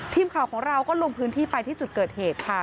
ทีมข่าวของเราก็ลงพื้นที่ไปที่จุดเกิดเหตุค่ะ